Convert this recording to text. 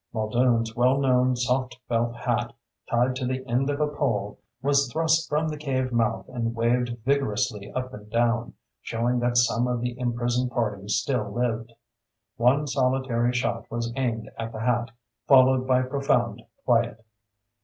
Muldoon's well known soft felt hat, tied to the end of a pole, was thrust from the cave mouth and waved vigorously up and down, showing that some of the imprisoned party still lived. One solitary shot was aimed at the hat, followed by profound quiet.